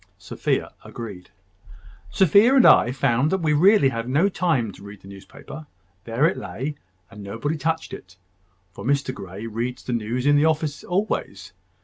Sophia agreed. "Sophia and I found that we really had no time to read the newspaper. There it lay, and nobody touched it; for Mr Grey reads the news in the office always.